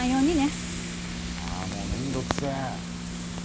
あーもうめんどくせえ。